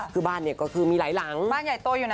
คือบ้านเนี่ยก็คือมีหลายหลังบ้านใหญ่โตอยู่นะ